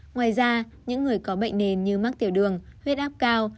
ngoài ra những người có bệnh nền như mắc tiểu đường huyết áp cao